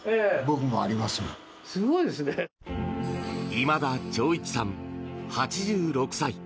今田長一さん、８６歳。